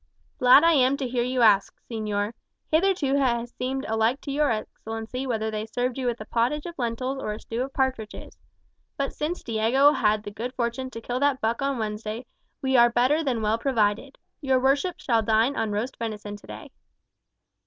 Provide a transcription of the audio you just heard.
"Glad I am to hear you ask, señor. Hitherto it has seemed alike to jour Excellency whether they served you with a pottage of lentils or a stew of partridges. But since Diego had the good fortune to kill that buck on Wednesday, we are better than well provided. Your worship shall dine on roast venison to day."